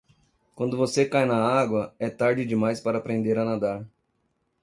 Quando você cai na água, é tarde demais para aprender a nadar.